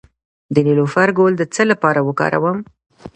د نیلوفر ګل د څه لپاره وکاروم؟